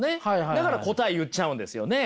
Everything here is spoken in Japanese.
だから答え言っちゃうんですよね。